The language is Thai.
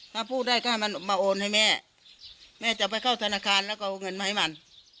ถ้าพูดได้ก็ให้มันมาโอนให้แม่แม่จะไปเข้าธนาคารแล้วก็เอาเงินมาให้มัน